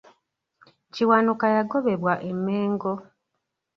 Kiwanuka yagobebwa e Mengo.